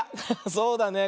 そうだね。